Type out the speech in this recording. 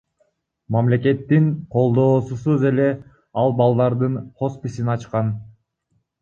Мамлекеттин колдоосусуз эле ал балдардын хосписин ачкан.